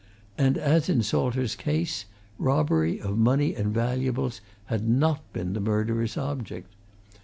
And as in Salter's case, robbery of money and valuables had not been the murderer's object.